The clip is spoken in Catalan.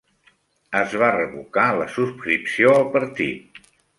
Es va revocar la subscripció al partit.